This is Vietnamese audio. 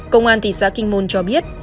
công an thị xã kinh môn cho biết